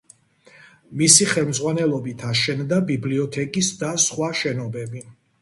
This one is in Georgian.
მისი ხელმძღვანელობით აშენდა ბიბლიოთეკის და სხვა შენობები.